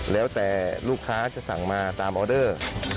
แล้วแต่ลูกค้าจะสั่งมาตามออเดอร์